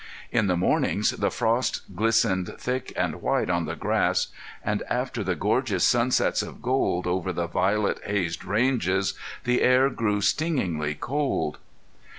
In the mornings the frost glistened thick and white on the grass; and after the gorgeous sunsets of gold over the violet hazed ranges the air grew stingingly cold.